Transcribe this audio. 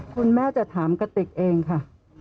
คุณแม่จะถามกระติกเองค่ะ